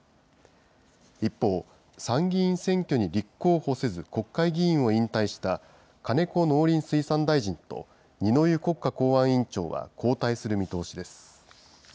一方、参議院選挙に立候補せず国会議員を引退した金子農林水産大臣と、二之湯国家公安委員長は交代する見通しです。